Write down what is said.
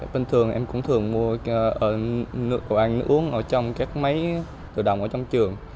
bình thường em cũng thường mua ở nước của anh uống ở trong các máy tự động ở trong trường